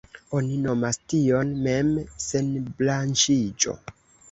Oni nomas tion „mem-senbranĉiĝo“.